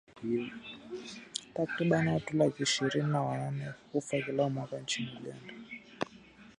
Takriban watu laki ishirini na wanane hufa kila mwaka nchini Uganda.